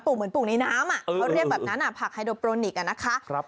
เหมือนปลูกในน้ำเขาเรียกแบบนั้นผักไฮโดโปรนิกอะนะคะ